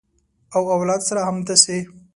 او اولاد سره همداسې